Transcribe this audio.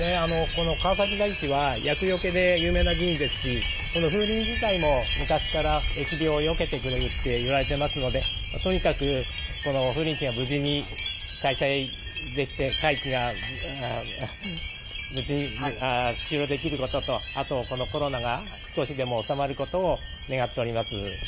この川崎大師は厄よけで有名な寺院ですし、この風鈴自体も、昔から疫病をよけてくれるっていわれていますので、とにかくこの風鈴市が無事に開催できて、あとこのコロナが少しでも収まることを願っております。